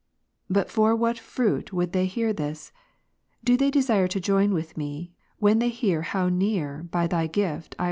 But for what fruit would they hear this? do they desire to joy with me, when they hear how near, by Thy gift, I approach unto Thee